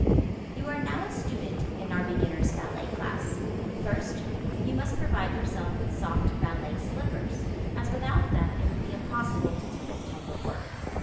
You are now a student in our beginner's ballet class. First, you must provide yourself with soft ballet slippers, as without them it would be impossible to do this type of work.